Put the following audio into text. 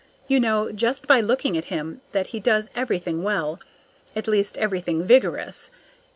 You know, just by looking at him, that he does everything well, at least everything vigorous.